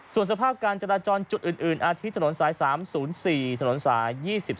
ส่วนสภาพการจราจรจุดอื่นอาทิตย์ถนนสาย๓๐๔ถนนสาย๒๓